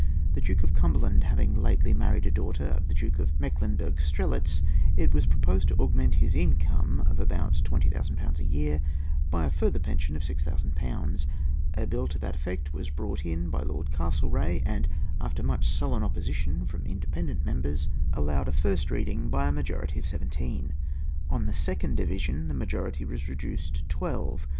The Duke of Cumberland having lately married a daughter of the Duke of Mecklenburg Strelitz, it was proposed to augment his income of about 20,000£ a year by a further pension of 6000£ A bill to that effect was brought in by Lord Castlereagh, and, after much sullen opposition from independent members, allowed a first reading by a majority of seventeen. On the second division the majority was reduced to twelve.